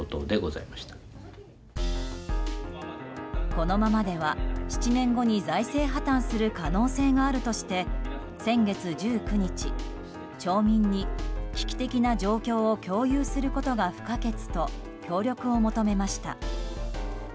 このままでは、７年後に財政破綻する可能性があるとして先月１９日、町民に危機的な状況を共有することが不可欠と協力を求めました。